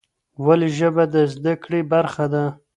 ولې ژبه د زده کړې برخه ده؟